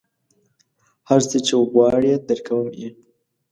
هر څه چې غواړې درکوم یې.